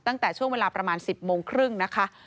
ตั้งแต่ช่วงเวลาประมาณ๑๐โมงครึ่งนะคะ